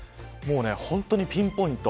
本当にピンポイント。